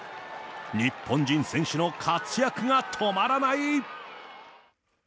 日本人選手の活躍が止まらない。